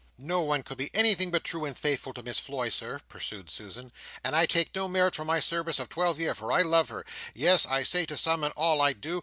"No one could be anything but true and faithful to Miss Floy, Sir," pursued Susan, "and I take no merit for my service of twelve year, for I love her—yes, I say to some and all I do!"